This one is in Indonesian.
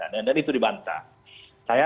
dan itu dibaca